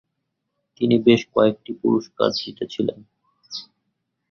তিনি বেশ কয়েকটি পুরস্কার জিতেছিলেন।